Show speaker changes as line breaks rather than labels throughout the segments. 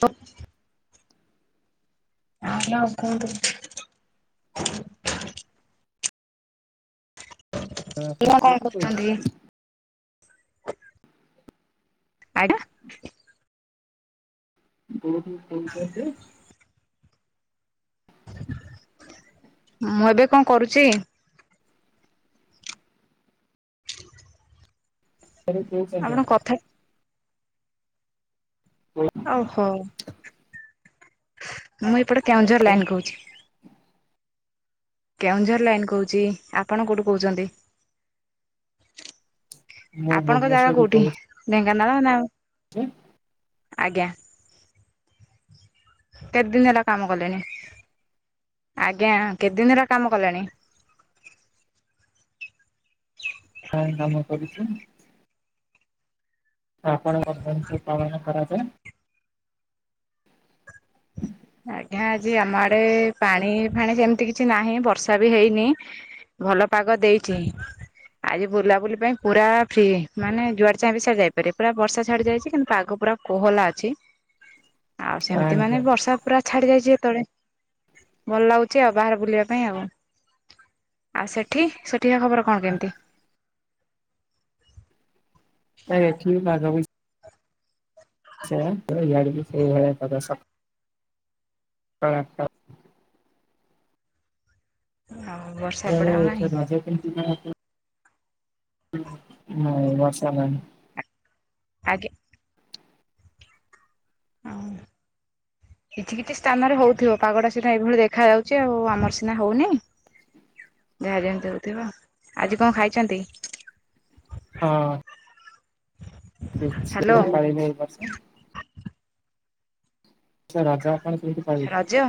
ପ [inaudible] ଆଜ୍ଞା ଆଉ କୁହନ୍ତୁ।
ହଁ। ଆପଣ
କଣ
କେଉଁଠୁ
କରୁଛନ୍ତି?
କହୁଛନ୍ତି।
ଆଜ୍ଞା।
[unintelligible]
ମୁଁ ଏବେ କଣ କରୁଛି?
[unintelligible]
ଆପଣ
[inaudible]
କଥା
ହୁଁ।
ଓହୋ! ମୁଁ ଏପଟେ କେଉଁଝର ଲାଇନ୍ କହୁଛି। କେଉଁଝର ଲାଇନ୍ କହୁଛି। ଆପଣ କୋଉଠୁ କହୁଛନ୍ତି?
ମୁଁ
ଆପଣଙ୍କ ଜାଗା
ଭୁବନେଶ୍ଵରରୁ
କୋଉଠି। ଢେଙ୍କାନାଳ ନା-
ହଁ [inaudible]
ଆଜ୍ଞା। କେତେ ଦିନ ହେଲା କାମ କଲେଣି। ଆଜ୍ଞା, କେତେ ଦିନ ଧଲା କାମ କଲେଣି? [inaudible]
ହଁ କାମ କରୁଛି। ହପଣ ବବ ଶ ପାଣ ଖରାବେ [unintelligible] [inaudible]
ଆଜ୍ଞା, ଆଜି ଆମ ଆଡେ ପାଣି ଫାଣି ଏମିତି କିଛି ନାହିଁ। ବର୍ଷା ବି ହେଇନି। ଭଲ ପାଗ ଦେଇଛି। ଆଜି ବୁଲାବୁଲି ପାଇଁ ପୁରା ଫ୍ରି। ମାନେ ଯୁଆଡ ଚାହିଁ ବି ସଡ ଯାଇପାର ପୁର ବଷା ଛାଡି ଯାଇଛି। କିନ୍ତୁ ଆଗ ପୁରା କୋହଲା ଅଛି।
[inaudible]
ଆଉ ସେମିତି
ଆଜ୍ଞା
ମାନେ ବର୍ଷା ପୁରା ଛାଡ଼ି ଯାଇଛି ଏତେବେଳେ, ଭଲ ଲାଗୁଛି ଆଉ ବାହାରେ ବୁଲିବା ପାଇଁ ଆଉ। ଆଉ ସେଠି, ସେଠିକା ଖବର କଣ କେମିତି?
ନାଇଁ ଏଠିବି ପାଗବି ସେୟା [unintelligible] ଇଆଡିକି ସେଇ ଭଳିଆ କର ସକ [unintelligible]
ହଁ ବରସ
ତମ ଆଡେ ଛୁଆ ରଜ କେମିତି ପାଳନ କର୍ ନାଇଁ ବର୍ଷା ନାଇ
ଆଜ୍ଞା
[inaudible]
କିଛି କିଛି ସ୍ଥାନରେ ହଉଥିବ ପାଗଟା ସିନା ଏଇଭଳି ଦେଖାଯାଉଛି ଆଉ ଆମର ସିନା ହଉନି ଯାହାଯେମିତି ହୋଉଥିବ। ଆଜି କଣ ଖାଇଛନ୍ତି?
ହଁ। କିଛି
ହ୍ୟାଲୋ
ପାଇନେଇ ଏ ବର୍ଷ ଆ ରଜ ଆପଣ କେମିତି ପାଳିବେ
ରଜ?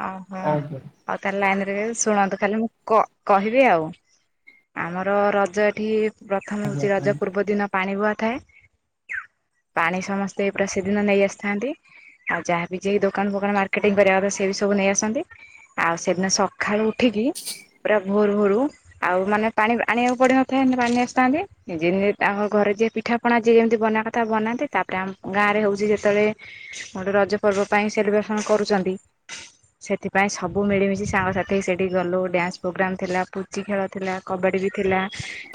ଓହୋ। ହୋଉ
ଆଜ୍ଞା
ତାହାଲେ ଲାଇନରେ ରହିବେ ଶୁଣନ୍ତୁ ଖାଲି ମୁଁ କ କହିବି ଆଉ। ଆମର ରଜ ଏଠି ପ୍ରଥମେ
ଆଜ୍ଞା
ହଉଛି ରଜ ପୂର୍ବ ଦିନ ପାଣି ବୁହା ଥାଏ ପାଣି ସମସ୍ତେ ପୁରା ସେଦିନ ନେଇ ଆସିଥାନ୍ତି ଆଉ ଯାହାବି ଯେଇ ଦୋକାନ ଫୋକାନ ମାର୍କେଟିଂ କରିବା କଥା ସେ ବି ସବୁ ନେଇ ଆସନ୍ତି। ଆଉ ସେଦିନ ସଖାଳୁ ଉଠିକି ପୁରା ଭୋରୁ ଭୋରୁ ଆଉ ମାନେ ପାଣି ଆଣିବାକୁ ପଡିିନଥାଏ ପାଣି ନେଇ ଆସିଥାନ୍ତି ନିଜେ ନିଜେ ତାଙ୍କ ଘରେ ଯିଏ ପିଠା ପଣା ଯିଏ ଯେମିତି ବନେଇବା କଥା ବନାନ୍ତି ତାପରେ ଆ ଗାଁରେ ହଉଛି ଯେତେବେଳେ ଗୋଟେ ରଜ ପର୍ବ ପାଇଁ ସେଲିବ୍ରେସନ କରୁଛନ୍ତି ସେଥିପାଇଁ ସବୁ ମିଳିମିଶି ସାଙ୍ଗସାଥି ସେଇଠି ଗଲୁ ଡ୍ୟାନ୍ସ ପ୍ରୋଗ୍ରାମ୍ ଥିଲା ପୁଚି ଖେଳ ଥିଲା କବାଡ଼ି ବି ଥିଲା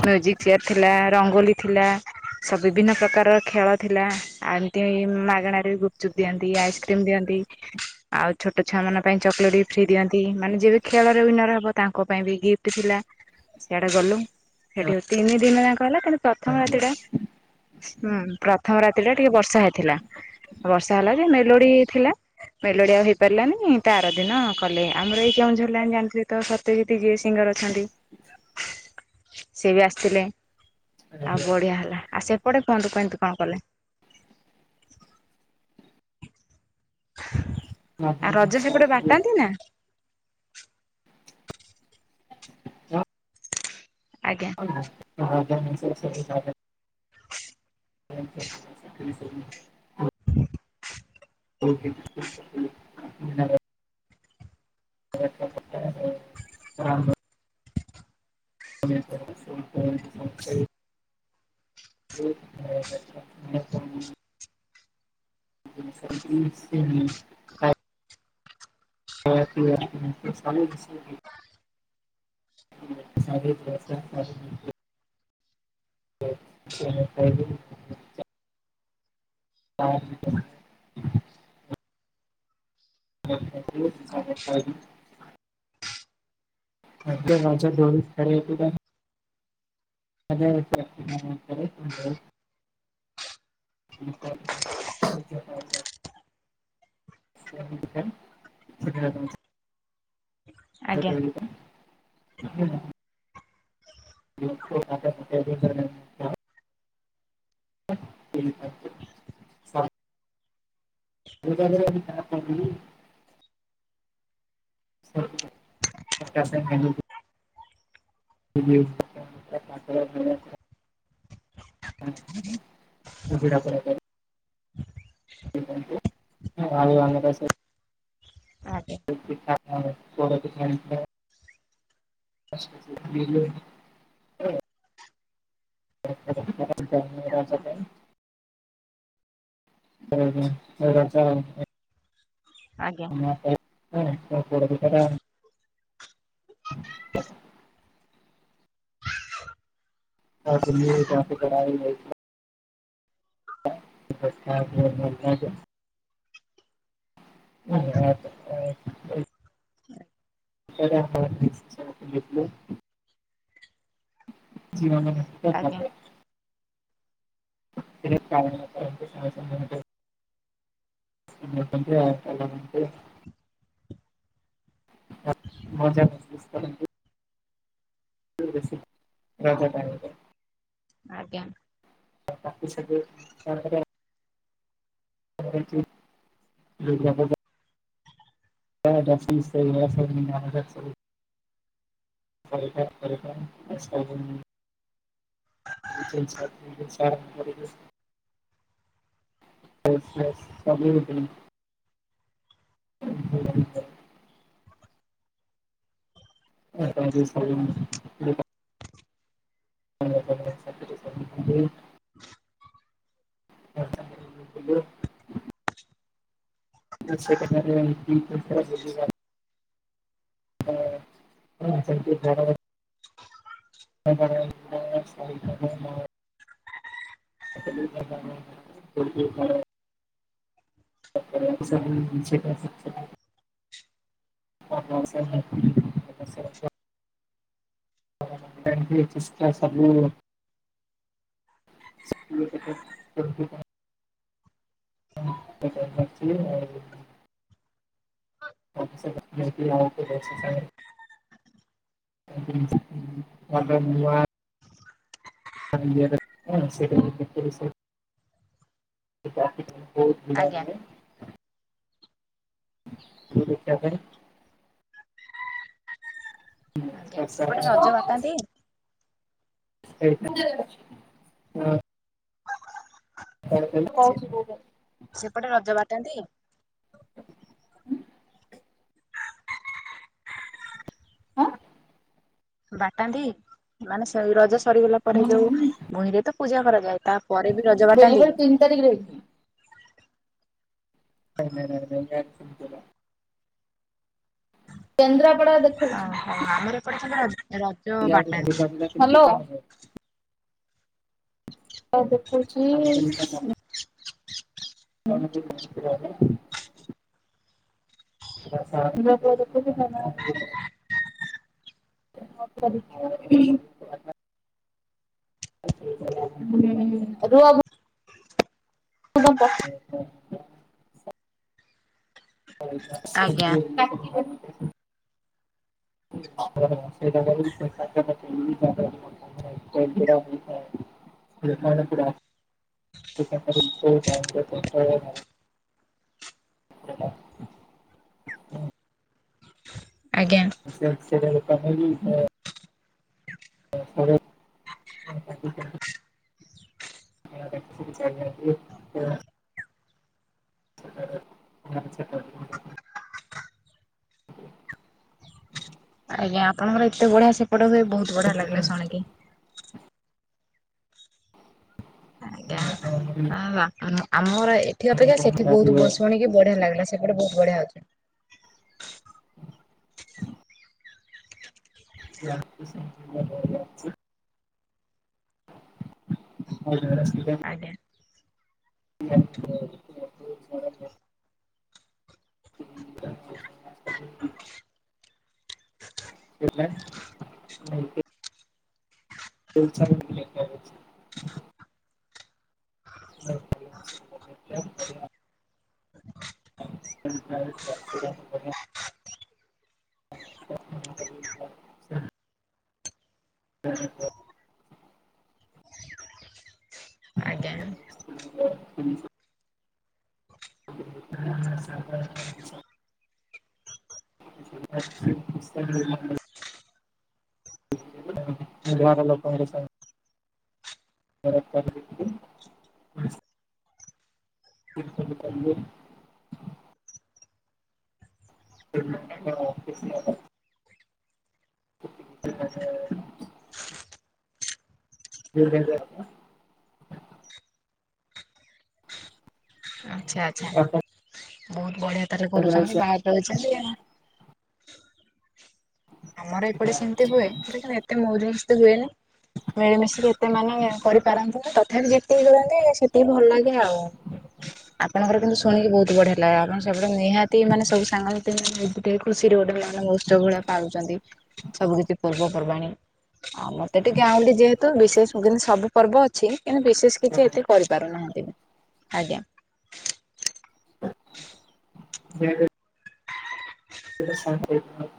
ମ୍ୟୁଜିକ୍ ଚେୟାର୍ ଥିଲା ରଙ୍ଗୋଲି ଥିଲା ସବୁ ବିଭିନ୍ନ ପ୍ରକାରର ଖେଳ ଥିଲା। ଆ ଏମିତି ମାଗଣାରେ ଗୁପଚୁପ ଦିଅନ୍ତି ଆଇସ୍କ୍ରିମ ଦିଅନ୍ତି ଆଉ ଛୋଟ ଛୁଆମାନଙ୍କ ପାଇଁ ଚକୋଲେଟ୍ ବି ଫ୍ରି ଦିଅନ୍ତି ମାନେ ଯିଏ ବି ଖେଳରେ ୱିନର ହେବ ତାଙ୍କ ପାଇଁ ବି ଗିଫ୍ଟ ଥିଲା। ସିଆଡେ ଗଲୁ। ହେଠି ତିନି ଦିନ ଯାକ ହେଲା କିନ୍ତୁ ପ୍ରଥମ ରାତିଟା ହୁଁ ପ୍ରଥମ ରାତିରେ ଟିକେ ବର୍ଷା ହେଇଥିଲା ବର୍ଷା ହେଲା ଯେ ମେଲୋଡି ଥିଲା ମେଲୋଡି ଆଉ ହେଇପ ପାରିଲାନି ତା ଆର ଦିନ କଲେ। ଆମର ଏଇ କେଉଁଝର ଲାଇନ୍ ଜାଣିଥିବେ ତ ସତ୍ୟଯିତ୍ ଯିଏ ସିଙ୍ଗର ଅଛନ୍ତି ସେ ବି ଆସିଥିଲେ
ଆଜ୍ଞା
ଆଉ ବଢିଆ ହେଲା। ଆଉ ସେପଟେ କୁହନ୍ତୁ କେମିତି କଣ କଲେ? ଆଉ ରଜ
ଆଜ୍ଞା
ସେପଟେ ବାଟାନ୍ତି ନା?
ଆ
ଆଜ୍ଞା।
[unintelligible]
[inaudible]
ଓକେ [unintelligible] ରାଣ୍ଡ [unintelligible] ଫୋନ୍ କରିକି ସମସ୍ତେ [unintelligible] କାମ ସାରିକି ଆସିବି। [unintelligible] ସମିତି [unintelligible] ବହୁତ ସମୟ ରହିଲିଣି। ତାରି ଭିତରେ ଯାଉଚି ଗାଧେଇବି କିଛି ସମୟ ପରେ ଖାଇବି। ଆ ତ ରଜ ଦୋଳି [unintelligible] ହଜାର [unintelligible] ପରେ [inaudible] [inaudible]
ଆଜ୍ଞା
[inaudible] [inaudible] [inaudible] [inaudible] ି [inaudible] [inaudible] ହଁ [inaudible] [inaudible]
ଆଜ୍ଞା
ପୋଡ଼ପିଠା [inaudible] [inaudible] [inaudible]
ଆଜ୍ଞା।
ପୋଡ଼ପିଠା ଟା
ଆଜ୍ଞା
[unintelligible] [inaudible] [inaudible] ଆା [unintelligible] [inaudible]
ଆଜ୍ଞା
[inaudible] ଏ କାରଣ [inaudible] [inaudible] ମଜା ମଜ୍ଲିସ୍ କରନ୍ତି। [inaudible]
ଆଜ୍ଞା।
[inaudible] [inaudible] ସ [inaudible] ଖରେ ଖ ଖରେଖ ଆ କ ସା [inaudible] [inaudible] [inaudible] ଆ [inaudible] [inaudible] [inaudible] [unintelligible] ହ ଧ [inaudible] [inaudible] ହଁ [inaudible] [inaudible] [inaudible] [inaudible] ଚେଷ୍ଟା ସବୁ [inaudible] ହଁ [inaudible] [inaudible] ସ [inaudible] ଟ [inaudible] [inaudible] ବହୁତ ଭିଡ଼ାେ [inaudible] କି ଦେଖିବା ପାଇଁ।
ଆଜ୍ଞା ସେପଟେ ରଜ
ଆଶା।
ବାଟାନ୍ତି
ସେଇଟା ହଁ। କାଣେ କହିଲ?
ସେପଟେ ରଜ ବାଟାନ୍ତି।
ଉଁ। ଆଁ।
ବାଟାନ୍ତି ମାନେ ସେ ରଜ ସରିଗଲା ପରେ ଯୋଉ ଭଇଁ ରେ ତ ପୂଜା କରାଯାଏ। ତାପରେ ବି ରଜ ବାଟାନ୍ତି କି।
କରିକି ରହିଚି। ନାଇଁ ନାଇଁ ନାଇଁ ନାଇଁ ସେମିତି ନାଇଁ। କେନ୍ଦ୍ରାପଡା ଦେଖଉଛି।
ହଁ ଆମର ଏପଟେ ଛନ୍ତି ଖାଲି।
ହ୍ୟାଲୋ। ଆଉ ଦେଖଉଚି ମାନେ ସେ ଧରିକିରୀ ଅନେଇଛି। ମୁଁ କରିଥିଲି କାମ। କୁହାହେଲେ ହଁ ରୁହ। ସେଟା ପଠଉଛୁ।
ଆଜ୍ଞା।
[unintelligible] [unintelligible] ସେଇଟା କରିକି ସେ। [unintelligible] ଏତେ ଭିଡ଼ ସେମାନେ ପୁରା [unintelligible] ସେଟା
ଆଜ୍ଞା।
ସେୟା ସେଟା [unintelligible] ମୁଁ ଦେଶରେ [unintelligible] [unintelligible] ସେଟା ଭବିଷ୍ୟତରେ ଉଁ ହୁଁ।
ଆଜ୍ଞା ଆପଣଙ୍କର ଏତେ ବଢିଆ ସେପଟ ହୁ ବହୁତ ବଢିଆ ଲାଗିଲା ଶୁଣିକି। ଆଜ୍ଞା। ହାଁ ଆମର ଏଠି ଅପେକ୍ଷା ସେଠି ବହୁତ ଶୁଣିକି ବଢିଆ ଲାଗିଲା। ସେପଟେ ବହୁତ ବଢିଆ ହଉଛି।
ଲାଗୁଚି ସେମିତି ମୁଁ ଭଲ ଅଛି। ଆ ସେଟା ଅସୁବିଧା।
ଆଜ୍ଞା
ପିଆଲି। [inaudible] ହେଲାଣି ନା ଏମିତି ତୋ ଇଚ୍ଛାରେ ଯିବି। ନେଟୱାର୍କ ଅଛି। ନାଇଁ [unintelligible] ପରିମାଣ। [unintelligible] ଆସିବ କନ୍ୟା। ସାର୍। Hello sir.
ଆଜ୍ଞା
ହାଲୋ ସାର୍। [unintelligible] ଟ୍ୱଣ୍ଟି ଛବିଶ ସାର୍ ମୋ ଜନ୍ମଦିନ ରେ ମୋତେ ଜମା ଭଲ ଲାଗିବନି ସାର୍ ଖରାପ୍ ତାବୋଲି କେମିତି କଣ କଲେ? [inaudible] [unintelligible] [unintelligible]
ଆଚ୍ଛା ଆଚ୍ଛା ବହୁତ ବଢିଆ ତାହେଲେ କରୁଛନ୍ତି ବାହାରେ ର ରହୁଛନ୍ତି ଆଉ। କ ଆମର ଏପଟେ ସେମିତି ହୁଏ ଏତେ ମୋଉଜୁ ମସ୍ତି ହୁଏନି। ମିଳିମିଶିକି ଏତେ ମାନେ କରିପାରନ୍ତି ନା ତଥାପି ଯେ ସେତିକି କରନ୍ତି ସେତିକି ଭଲ ଲାଗେ ଆଉ ଆପଣଙ୍କର କିନ୍ତୁ ଶୁଣିକି ବହୁତ ବଢିଆ ଲା ଆପଣ ସବୁ ନିହାତି ମାନେ ସବୁ ସାଙ୍ଗସାଥି ମାନେ ଖୁସି ରେ ଗୋଟେ ଉତ୍ସ ଭଳିଆ ପାଉଛନ୍ତି। ସବୁ କିଛି ପର୍ବପର୍ବାଣିୀ। ଆଉ ମତେ ଟିକେ ଗାଁଉଲି ଯେହେତୁ ବିଶେଷ କିନ୍ତୁ ସବୁ ପର୍ବ ଅଛି କିନ୍ତୁ ବିଶେଷ କିଛି ଏଥିରୁ କରି ପାରୁନାହାନ୍ତି ଆଜ୍ଞା।
ସେ ଏ ସେଟ ଯାଉନି।